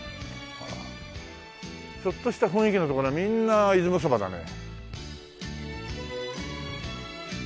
ちょっとした雰囲気の所はみんな出雲そばだね。